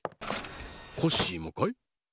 コッシーもかい？